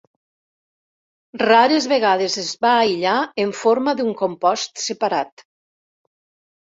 Rares vegades es va aïllar en forma d'un compost separat.